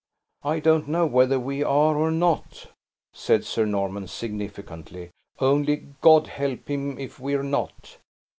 "I don't know whether we are or not," said Sir Norman significantly; "only, God help him if we're not!